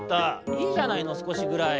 「いいじゃないのすこしぐらい」。